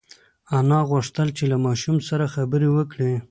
انا غوښتل چې له ماشوم سره خبرې وکړي.